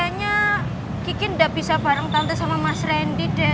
kayaknya kiki tidak bisa bareng tante sama mas randy deh